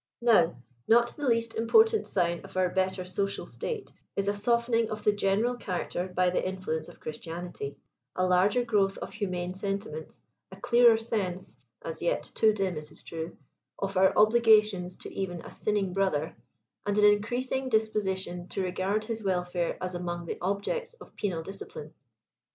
Now, not the least important sign of our better social state, is a soften ing of the general character by the influence of Christianity, a larger growth of humane sentiments, a clearer sense'— as yet loo dim, it is true — of our obligations to even a sinning brother, and an increasing disposition to regard his welfare as among the objects of penal discipline.